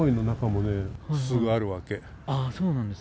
そうなんですか。